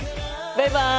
バイバイ！